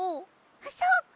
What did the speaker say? あっそっか！